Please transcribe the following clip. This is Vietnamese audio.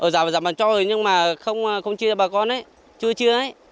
giảm mặt bằng cho rồi nhưng mà không chia cho bà con ấy chưa chia ấy